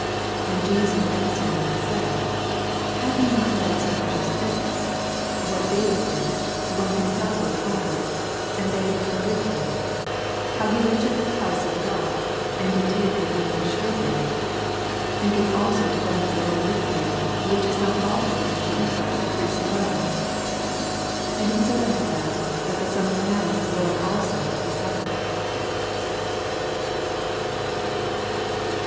8 And Jesus answering them said, Have ye not read so much as this, what I)aYid did, when himself was an hungred, and they which were with him : 4 How he went into the house ot God, and did take and eat the shew bread, and gave also to them that were with him ; which it is not lawful to eat but for the priests alone ? 6 And he said unto them. That the Son of man is Lord also oi the sab* bath.